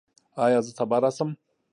ایا زه سبا راشم؟